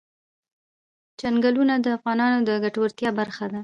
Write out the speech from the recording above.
چنګلونه د افغانانو د ګټورتیا برخه ده.